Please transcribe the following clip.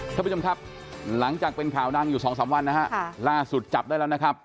ท่านผู้ชมครับหลังจากเป็นข่าวดังอยู่สองสามวันนะฮะล่าสุดจับได้แล้วนะครับ